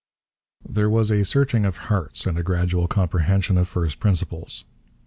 There was a searching of hearts and a gradual comprehension of first principles.